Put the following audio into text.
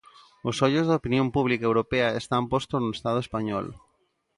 Os ollos da opinión pública europea están postos no Estado español.